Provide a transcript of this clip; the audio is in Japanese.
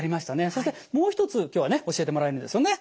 そしてもう一つ今日はね教えてもらえるんですよね。